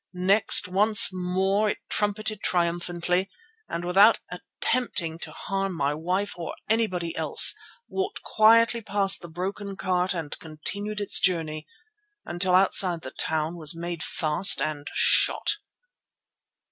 Next, once more it trumpeted triumphantly, and without attempting to harm my wife or anybody else, walked quietly past the broken cart and continued its journey, until outside the town it was made fast and shot."